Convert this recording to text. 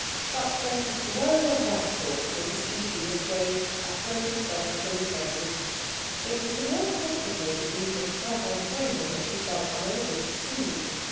But then woe of that sort was as easily assuaged as broken furniture was mended. It was the more complicated grief of Frau von Treumann that she felt unable to soothe.